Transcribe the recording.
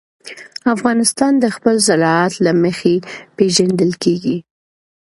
افغانستان د خپل زراعت له مخې پېژندل کېږي.